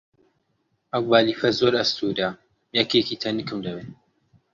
ئەو بالیفە زۆر ئەستوورە، یەکێکی تەنکم دەوێ.